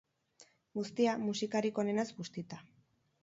Guztia, musikarik onenaz bustita.